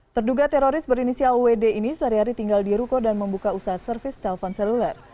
terduga teroris berinisial wd ini sehari hari tinggal di ruko dan membuka usaha servis telpon seluler